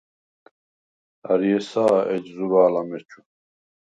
ა̈რი ესა̄ ეჯ ზურა̄ლ ამეჩუ?